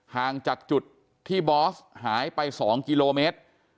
ห่างจากจุดที่บอสหายไป๒กิโลเมตร